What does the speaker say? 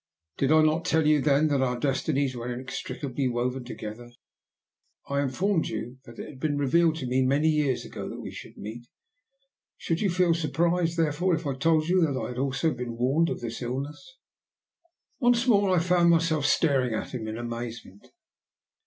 Did I not tell you then that our Destinies were inextricably woven together? I informed you that it had been revealed to me many years ago that we should meet; should you feel surprised, therefore, if I told you that I had also been warned of this illness?" Once more I found myself staring at him in amazement.